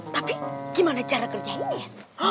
tapi gimana cara kerjain dia